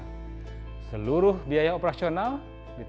dan seluruh biaya operasi operasi yang diperoleh adalah dari kedua ketua ketua